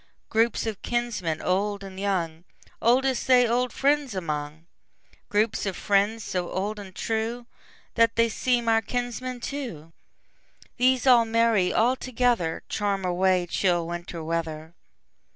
Groups of kinsmen, old and young, Oldest they old friends among; Groups of friends, so old and trueThat they seem our kinsmen too; These all merry all togetherCharm away chill Winter weather.